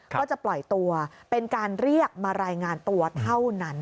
ก็จะปล่อยตัวเป็นการเรียกมารายงานตัวเท่านั้น